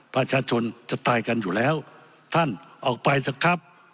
ประชาชนจะตายกันอยู่แล้วท่านออกไปเถอะครับ